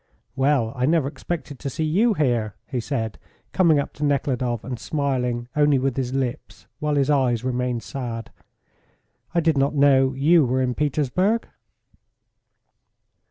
"Well, I never expected to see you here," he said, coming up to Nekhludoff, and smiling only with his lips while his eyes remained sad. "I did not know you were in Petersburg."